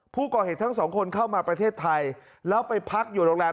ผู้ก่อเหตุทั้งสองคนเข้ามาประเทศไทยแล้วไปพักอยู่โรงแรม